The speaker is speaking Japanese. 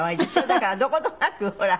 だからどことなくほら